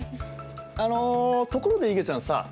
あのところでいげちゃんさ